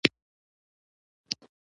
آیا دوی مالیه نه ورکوي؟